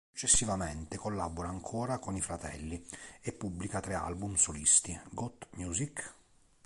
Successivamente collabora ancora con i fratelli, e pubblica tre album solisti: "Got Music?